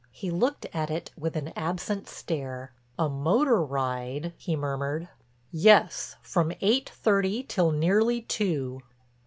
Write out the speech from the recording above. He looked at it with an absent stare. "A motor ride?" he murmured. "Yes, from eight thirty till nearly two."